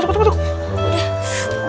udah bukuk banget ini